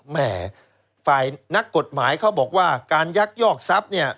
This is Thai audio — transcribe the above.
แม่ฝ่ายนักกฎหมายเขาบอกว่าการยักยอกทรัพย์เนี่ย